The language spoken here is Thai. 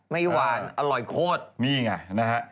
หวานอร่อยโคตรนี่ไงนะฮะ